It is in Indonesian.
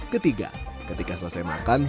ketiga ketika selesai makan